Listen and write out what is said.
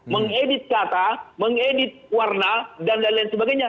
mengedit kata mengedit warna dan lain lain sebagainya